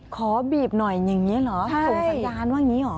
ขอบีบหน่อยอย่างนี้เหรอส่งสัญญาณว่าอย่างนี้เหรอ